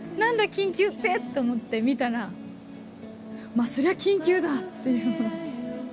緊急って思って見たら、まあ、それは緊急だっていう。